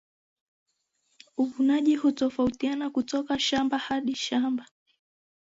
Uvunaji hutofautiana kutoka shamba hadi shamba